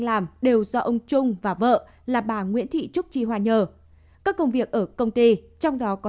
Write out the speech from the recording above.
làm đều do ông trung và vợ là bà nguyễn thị trúc chi hòa nhờ các công việc ở công ty trong đó có